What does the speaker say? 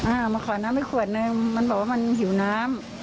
มาขอน้ำให้ขวดนึงมันบอกว่ามันหิวน้ำ